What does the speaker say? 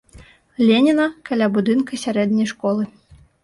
Леніна каля будынка сярэдняй школы.